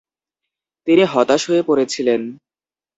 তিনি হতাশ হয়ে পড়েছিলেন।